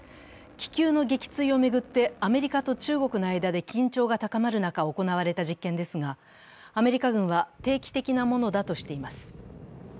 気球の撃墜を巡ってアメリカと中国の間で緊張が高まる中で行われた実験ですが、アメリカ軍は定期的なものだとしています。